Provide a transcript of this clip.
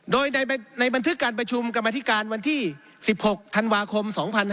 โดยในบันทึกการประชุมกรรมธิการวันที่๑๖ธันวาคม๒๕๕๙